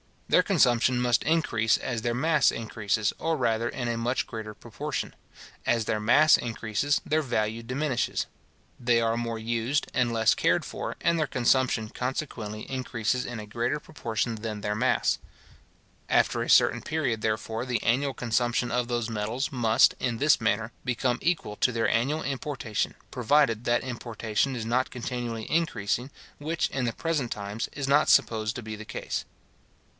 Their consumption must increase as their mass increases, or rather in a much greater proportion. As their mass increases, their value diminishes. They are more used, and less cared for, and their consumption consequently increases in a greater proportion than their mass. After a certain period, therefore, the annual consumption of those metals must, in this manner, become equal to their annual importation, provided that importation is not continually increasing; which, in the present times, is not supposed to be the case.